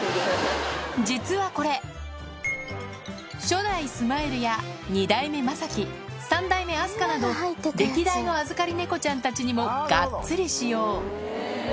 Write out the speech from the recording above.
実はこれ、初代スマイルや２代目、まさき、３代目、明日香など、歴代の預かり猫ちゃんたちにもがっつり使用。